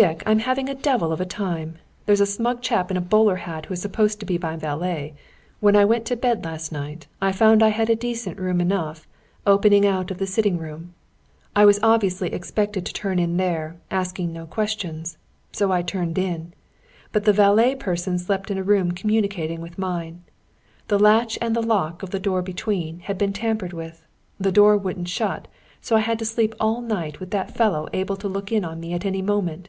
"Dick, I'm having a devil of a time! There's a smug chap in a bowler hat who is supposed to be my valet. When I went to bed last night, I found I had a decent room enough, opening out of the sitting room. I was obviously expected to turn in there, asking no questions; so I turned in. But the valet person slept in a room communicating with mine. The latch and the lock of the door between, had been tampered with. The door wouldn't shut, so I had to sleep all night with that fellow able to look in upon me at any moment.